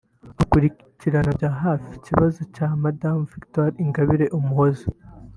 Akurikiranira bya hafi ikibazo cya Madame Victoire Ingabire Umuhoza